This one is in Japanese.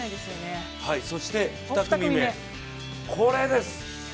そして２組目、これです！